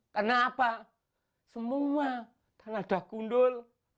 kenapa semua tanah dah gundul